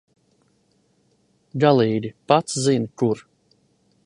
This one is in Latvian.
Galīgi, pats zini, kur.